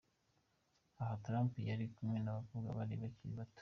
Aha Trump yari kumwe n’ abakobwa bakiri bato.